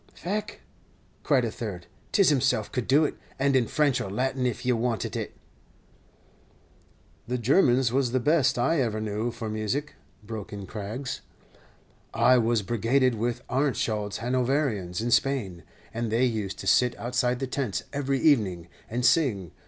"Faix," cried a third, "'tis himself could do it, and in Frinch or Latin if ye wanted it." "The Germans was the best I ever knew for music," broke in Craggs. "I was brigaded with Arentschild's Hanoverians in Spain; and they used to sit outside the tents every evening, and sing.